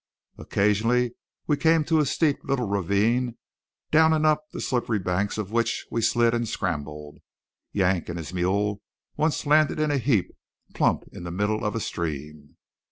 Occasionally we came to a steep little ravine down and up the slippery banks of which we slid and scrambled. Yank and his mule once landed in a heap, plump in the middle of a stream.